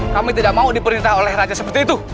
kami tidak mau diperintah oleh raja seperti itu